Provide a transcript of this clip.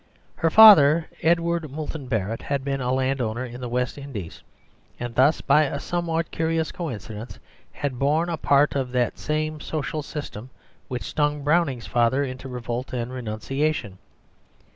Her father, Edward Moulton Barrett, had been a landowner in the West Indies, and thus, by a somewhat curious coincidence, had borne a part in the same social system which stung Browning's father into revolt and renunciation.